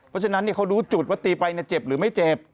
เพราะฉะนั้นเขารู้จุดว่าตีไปเจ็บหรือไม่เจ็บ